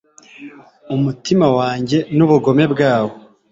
Umutima wanjye nubugome bwawo